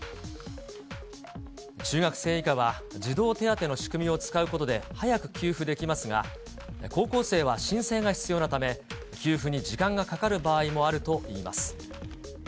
中学生以下は児童手当の仕組みを使うことで早く給付できますが、高校生は申請が必要なため、給付に時間がかかる場合もあるといいます。